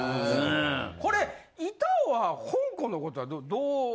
これ板尾はほんこんのことはどう。